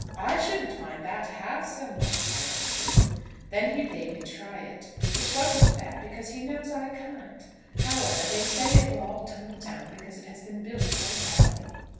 'I shouldn't mind that half so much,' I answered. Then he bade me try it, which wasn't fair because he knows I can't. However, they say it will all tumble down because it has been built so badly.